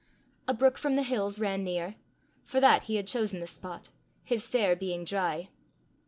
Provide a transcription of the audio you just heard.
A brook from the hills ran near: for that he had chosen the spot, his fare being dry.